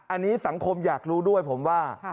อันนี้สังคมอยากรู้ด้วยผมว่า